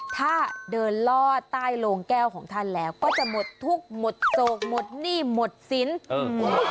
ถ้าเดินล่อใต้โลงแก้วของท่านแล้วก็จะหมดทุกข์หมดโศกหมดหนี้หมดสินอืม